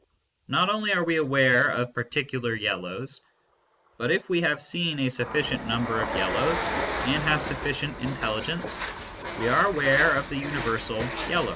Not only are we aware of particular yellows, but if we \ have seen a sufficient number of yellows and have suffi ~~ cient intelligence, we are aware of the universal yellow